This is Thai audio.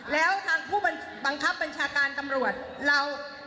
แล้วทางผู้บังคับบัญชาการตำรวจเรา